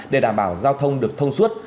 để đảm bảo giao thông được thông suốt